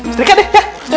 setrika deh ya